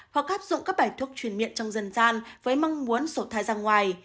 hoặc áp dụng các bài thuốc truyền miệng trong dân gian với mong muốn sổ thai ra ngoài